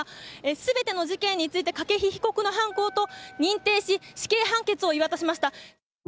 すべての事件について、筧被告の犯行と認定し、死刑判決を言い渡しました。